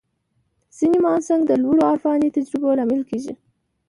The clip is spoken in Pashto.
ځینې مناسک د لوړو عرفاني تجربو لامل کېږي.